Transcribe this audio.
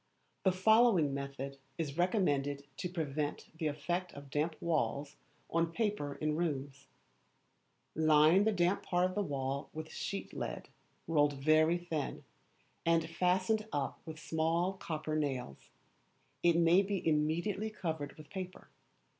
The following method is recommended to prevent the effect of damp walls on paper in rooms: Line the damp part of the wall with sheet lead, rolled very thin, and fastened up with small copper nails. It may be immediately covered with paper.